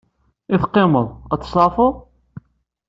I teqqimeḍ, ad testeɛfuḍ?